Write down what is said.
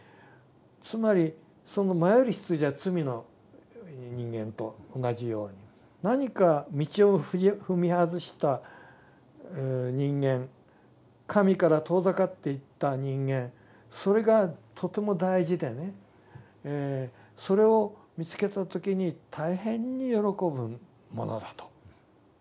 つまり迷える羊は罪の人間と同じように何か道を踏み外した人間神から遠ざかっていった人間それがとても大事でねそれを見つけた時に大変に喜ぶものだと。